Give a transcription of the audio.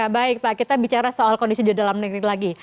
baik pak kita bicara soal kondisi di dalam negeri lagi